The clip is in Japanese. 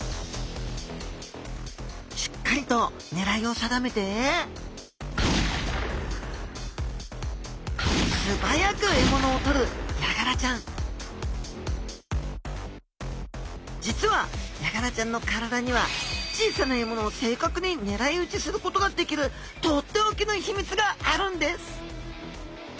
しっかりとねらいを定めて素早く獲物をとるヤガラちゃん実はヤガラちゃんの体には小さな獲物を正確にねらい撃ちすることができるとっておきの秘密があるんです！